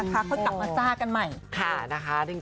ต้องเสียมาสงบแรงเสร็จ